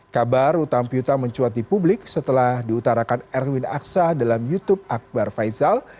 kabar utang piutang mencuat di publik setelah diutarakan erwin aksa dalam youtube akbar faisal